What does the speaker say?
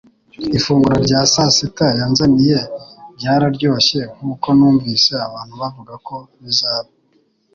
Ifunguro rya sasita yanzaniye ryararyoshye nkuko numvise abantu bavuga ko bizaba